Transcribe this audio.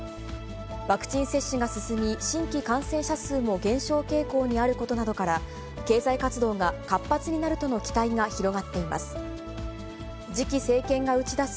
ワクチン接種が進み、新規感染者数も減少傾向にあることなどから、経済活動が活発になるとの期待が広がっています。